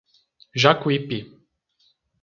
Jacuípe